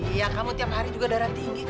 iya kamu tiap hari juga darah tinggi